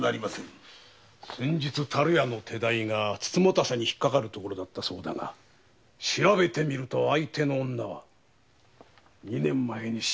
先日樽屋の手代がツツモタセにひっかかるところだったそうだが調べてみると相手の女は二年前に死んだ升屋の娘。